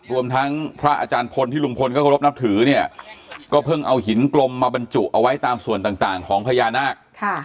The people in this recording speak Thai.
รวมทั้งพระอาจารย์พลที่ลุงพลก็เคารพนับถือเนี่ยก็เพิ่งเอาหินกลมมาบรรจุเอาไว้ตามส่วนต่างของพญานาค